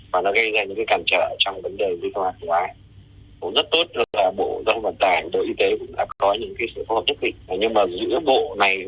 và nó gây ra những cái cản trở trong vấn đề lưu thông hàng hóa